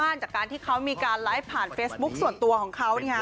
จากการที่เขามีการไลฟ์ผ่านเฟซบุ๊คส่วนตัวของเขา